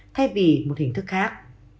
thay vì một hình thức khác